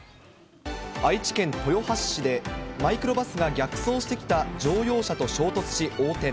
愛知県豊橋市で、マイクロバスが逆走してきた乗用車と衝突し横転。